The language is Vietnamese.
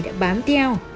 đã bám theo